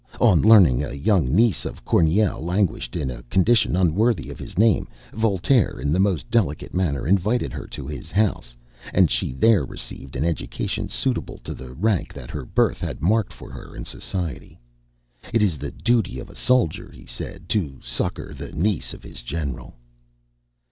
On learning that a young niece of Corneille languished in a condition unworthy of his name, Voltaire, in the most delicate manner, invited her to his house, and she there received an education suitable to the rank that her birth had marked lor her in society. "It is the duty of a soldier," he said, "to succor the niece of his general."